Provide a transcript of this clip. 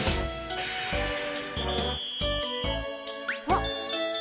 あっ。